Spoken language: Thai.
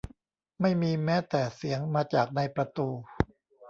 ไม่มีแม้แต่เสียงมาจากในประตู